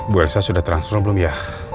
bu elsa sudah transfer belum ya